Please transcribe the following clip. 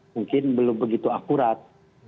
mungkin belum begitu akurat